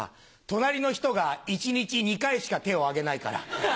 隣の人が１日２回しか手を挙げないから。